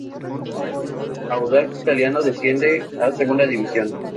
Audax Italiano desciende a Segunda División